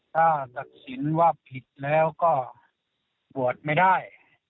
ถ้าตัดสินว่าผิดแล้วก็บวชไม่ได้